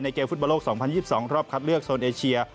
เกมฟุตบอลโลก๒๐๒๒รอบคัดเลือกโซนเอเชีย